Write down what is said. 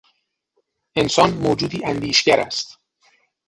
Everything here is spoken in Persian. انسان موجودی اندیشگر است.